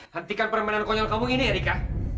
hentikan permainan konyol kamu ini ya rika